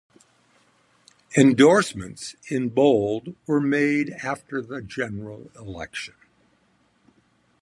Endorsements in bold were made after the general election.